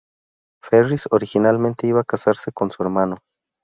Ferris originalmente iba a casarse con su hermano.